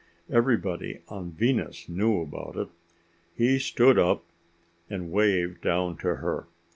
Everybody on Venus knew about it. He stood up, and waved down to her.